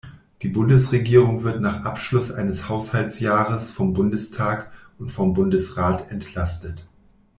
Die Bundesregierung wird nach Abschluss eines Haushaltsjahres vom Bundestag und vom Bundesrat entlastet.